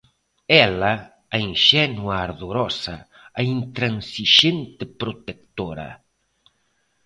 Ela, a inxenua ardorosa, a intransixente protectora.